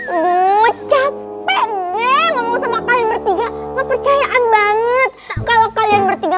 hai bu capek deh mau sama kali bertiga percayaan banget kalau kalian bertiga